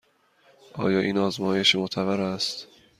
آیا این آزمایش معتبر است؟